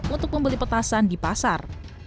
untuk membeli petasan di pasar